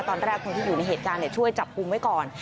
ตอนแรกคนที่อยู่ในเหตุการณ์ช่วยจับกลุ่มไว้ก่อน